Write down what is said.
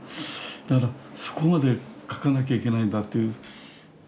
だからそこまで描かなきゃいけないんだという。